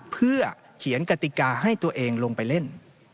เพื่อเขียนกติกาให้ตัวเองลงไปเล่น